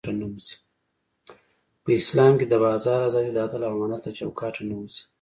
په اسلام کې د بازار ازادي د عدل او امانت له چوکاټه نه وځي.